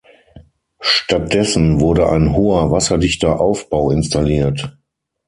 Stattdessen wurde ein hoher wasserdichter Aufbau installiert.